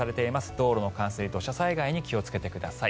道路の冠水、土砂災害に気をつけてください。